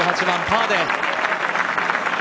１８番パーで！